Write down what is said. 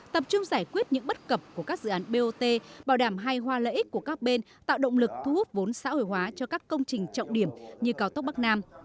tập trung giải quyết những bất cập của các dự án bot bảo đảm hai hoa lợi ích của các bên tạo động lực thu hút vốn xã hội hóa cho các công trình trọng điểm như cao tốc bắc nam